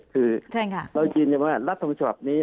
คือเรายินว่ารัฐธรรมชาวบับนี้